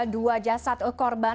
dua jasad korban